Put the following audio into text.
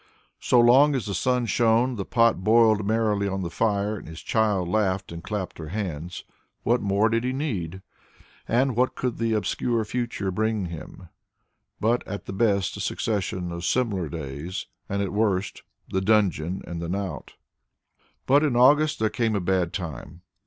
So long as the sun shone, the pot boiled merrily on the fire, and his child laughed and clapped her hands what more did he need? And what could the obscure future bring him, but at the best a succession of similar days, and at the worst the dungeon and the knout. But in August there came a bad time.